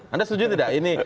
anda setuju tidak ini